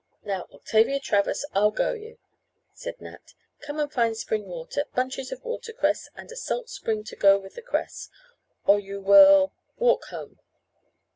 Now, Octavia Travers, I'll go you," said Nat. "Come and find spring water, bunches of watercress and a salt spring to go with the cress, or you will walk home."